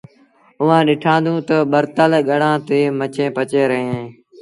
اُئآݩٚ ڏٺآندونٚ تا ٻرتل گڙآݩ تي مڇيٚنٚ پچيݩ رهينٚ اهينٚ